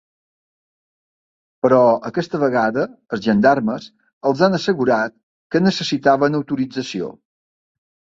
Però aquesta vegada els gendarmes els han assegurat que necessitaven autorització.